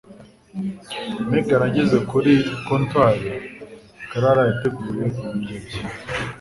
Megan ageze kuri comptoir, Clara yateguye ibiryo bye.